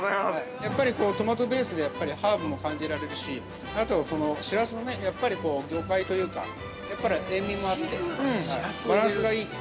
◆やっぱり、トマトベースでハーブも感じられるしあと、シラスの魚介というかやっぱり塩味もあってバランスがいい。